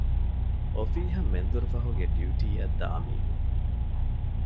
އޮފީހަށް މެންދުރުފަހުގެ ޑިޔުޓީއަށް ދާމީހުން